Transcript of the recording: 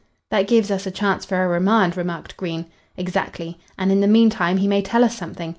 "That gives us a chance for a remand," remarked Green. "Exactly. And in the meantime he may tell us something.